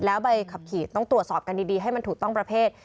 แล้วใบขับขี่ต้องตรวจสอบกันดีให้มันถูกต้องประเภท